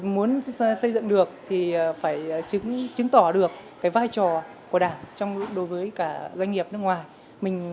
muốn xây dựng được thì phải chứng tỏ được vai trò của đảng đối với doanh nghiệp nước ngoài